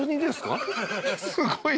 すごい。